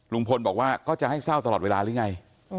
ลุงพลบอกว่าก็จะให้เศร้าตลอดเวลาหรือไง